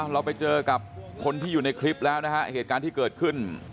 เราไปเจอกับคนที่อยู่ในคลิปแล้วนะฮะเหตุการณ์ที่เกิดขึ้น